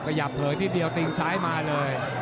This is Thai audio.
ขยับเุอที่เดียวติ้งซ้ายมาเลย